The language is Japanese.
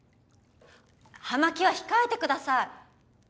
葉巻は控えてください。